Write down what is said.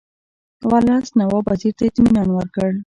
ورلسټ نواب وزیر ته اطمینان ورکړ.